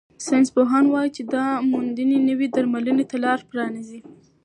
ساینسپوهان وايي چې دا موندنې نوې درملنې ته لار پرانیزي.